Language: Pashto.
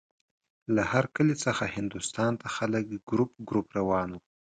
له هر کلي څخه هندوستان ته خلک ګروپ ګروپ روان وو.